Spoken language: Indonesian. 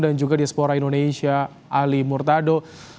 dan juga di espora indonesia ali murtado